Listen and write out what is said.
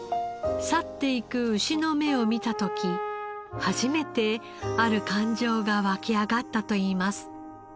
去って行く牛の目を見た時初めてある感情が湧き上がったといいます。